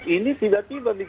ini tiba tiba kita akan kecewa